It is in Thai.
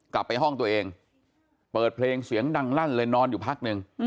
กลับไปห้องตัวเองเปิดเพลงเสียงดังลั่นเลยนอนอยู่พักนึง